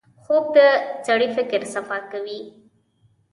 خوب د سړي فکر صفا کوي